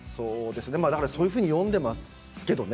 そういうふうに読んでいますけどね。